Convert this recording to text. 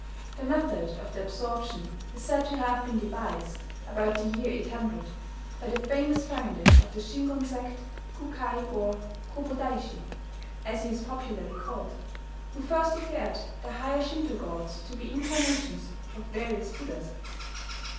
The method of the absorption is said to have been devised, about the year 800, by the famous founder of the Shingon sect, Kukai or "Kobodaishi" (as he is popularly called), who first declared the higher Shinto gods to be incarnations of various Buddhas.